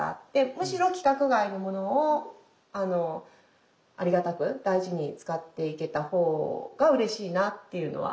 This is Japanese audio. むしろ規格外のものをありがたく大事に使っていけた方がうれしいなっていうのは。